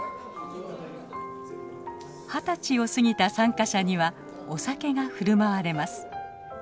二十歳を過ぎた参加者にはお酒が振る舞われます。